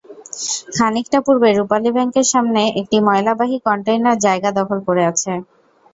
খানিকটা পূর্বে রূপালী ব্যাংকের সামনে একটি ময়লাবাহী কনটেইনার জায়গা দখল করে আছে।